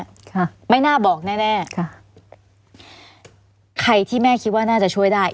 ค่ะไม่น่าบอกแน่แน่ค่ะใครที่แม่คิดว่าน่าจะช่วยได้